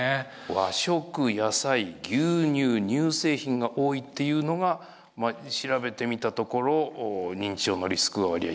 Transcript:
和食・野菜牛乳・乳製品が多いっていうのが調べてみたところ認知症のリスクは割合低い。